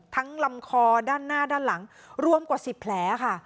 ลำคอด้านหน้าด้านหลังรวมกว่า๑๐แผลค่ะ